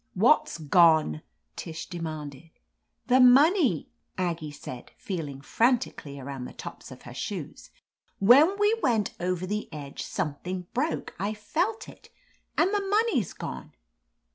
"What's gone?'* Tish demanded. "The money," Aggie said, feeling frantically around the tops of her shoes. "When we went over the edge something broke — I felt it — and the money's gone."